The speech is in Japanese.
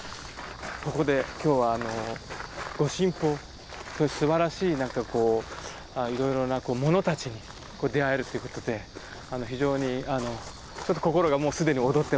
ここで今日は御神宝すばらしい何かこういろいろなものたちに出会えるということで非常に心がもう既に躍ってます。